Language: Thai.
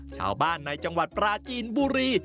ชาวบ้านในจังหวัดปราจีนบุรี